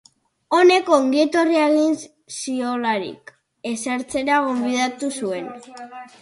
Honek ongi etorria egin ziolarik, esertzera gonbidatu zuen.